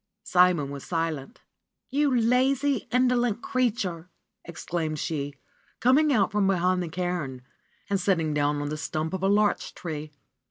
Simon was silent. "You lazy, indolent creature !" exclaimed she, coming out from behind the cairn and sitting down on the stump of a larch tree.